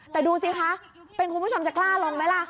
แต่ดูสิคะเป็นคุณผู้ชมจะกล้าลงไหมล่ะ